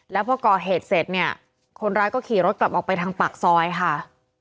แล้วพอก่อเหตุเสร็จเนี่ยคนร้ายก็ขี่รถกลับออกไปทางปากซอยค่ะ